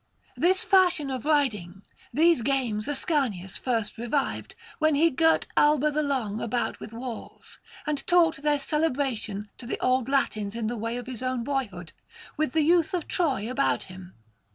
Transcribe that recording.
... This fashion of riding, these games Ascanius first revived, when he girt Alba the Long about with walls, and taught their celebration to the Old Latins in the way of his own boyhood, with the youth of Troy about him.